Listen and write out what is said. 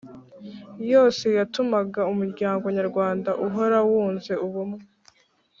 yose yatumaga umuryango nyarwanda uhora wunze ubumwe